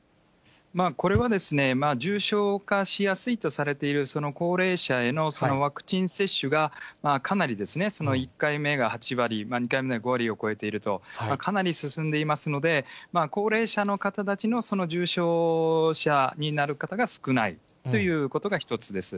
これは、重症化しやすいとされている高齢者へのワクチン接種が、かなり１回目が８割、２回目が５割を超えていると、かなり進んでいますので、高齢者の方たちのその重症者になる方が少ないということが一つです。